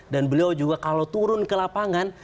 dan beliau juga kalau turun ke lapangan